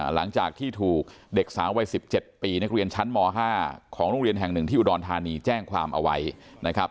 หลังจากที่ถูกเด็กสาววัย๑๗ปีนักเรียนชั้นม๕ของโรงเรียนแห่งหนึ่งที่อุดรธานีแจ้งความเอาไว้นะครับ